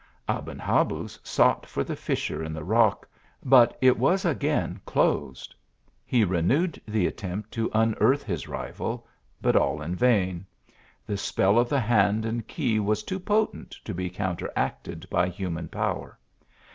Aben Habuz sought for the fissure in the rock, but it was again closed. He renewed the attempt to unearth his rival, but all in vain. The spell of the hand and key was too potent to be counteracted by human power.